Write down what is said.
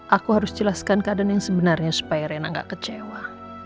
aku harus jelaskan keadaan yang sebenarnya supaya rena gak kecewa